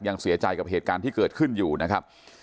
ยังเสียใจกับเหตุการณ์ที่เกิดขึ้นอยู่นะครับ